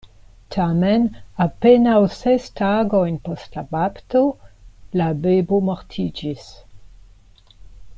Tamen, apenaŭ ses tagojn post la bapto, la bebo mortiĝis.